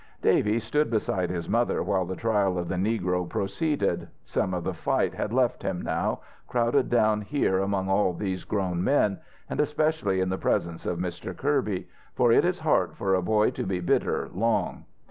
Davy stood beside his mother while the trial of the negro proceeded. Some of the fight had left him now, crowded down here among all these grown men, and especially in the presence of Mr. Kirby, for it is hard for a boy to be bitter long.